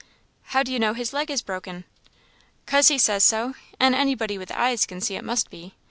"How do you know his leg is broken?" " 'Cause he says so, and anybody with eyes can see it must be.